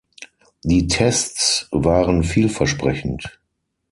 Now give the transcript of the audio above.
Die Tests waren vielversprechend.